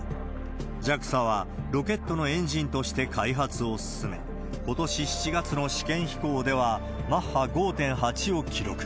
ＪＡＸＡはロケットのエンジンとして開発を進め、ことし７月の試験飛行では、マッハ５．８を記録。